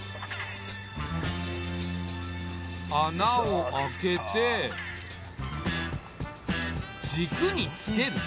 穴を開けて軸につける。